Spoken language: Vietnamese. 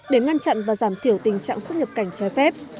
để ngăn chặn và giảm thiểu tình trạng xuất nhập cảnh trái phép